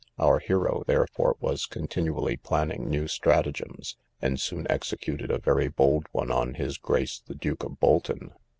Our hero, therefore, was continually planning new stratagems, and soon executed a very bold one on his grace the Duke of Bolton.